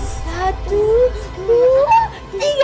satu dua tiga